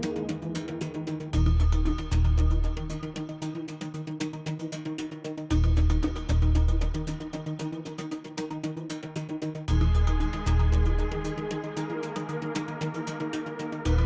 วิ่งพอดีกระตุกแล้วก็เสียดละก็เลยลมลงมาไหนทอง